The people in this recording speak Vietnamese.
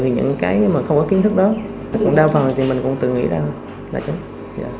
nhưng mà không có kiến thức đó tức là đau phần thì mình cũng tự nghĩ ra thôi